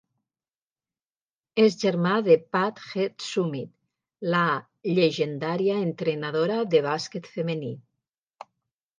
És germà de Pat Head Summitt, la llegendària entrenadora de bàsquet femení.